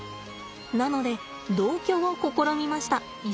なので同居を試みました。